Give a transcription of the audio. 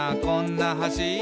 こんな橋」